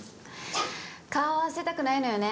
顔を合わせたくないのよね。